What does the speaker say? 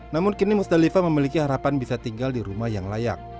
namun kini musdalifah memiliki harapan bisa tinggal di rumah yang layak